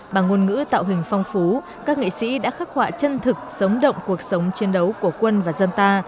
bằng ngôn ngữ tạo hình phong phú các nghệ sĩ đã khắc họa chân thực sống động cuộc sống chiến đấu của quân và dân ta